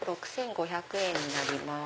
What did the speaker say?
６５００円になります。